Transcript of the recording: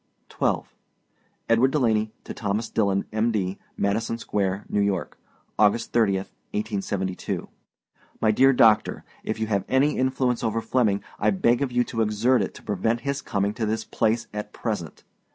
XII. EDWARD DELANEY TO THOMAS DILLON, M.D., MADISON SQUARE, NEW YORK. August 30, 1872. My Dear Doctor: If you have any influence over Flemming, I beg of you to exert it to prevent his coming to this place at present.